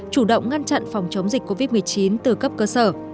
chủ động ngăn chặn phòng chống dịch covid một mươi chín từ cấp cơ sở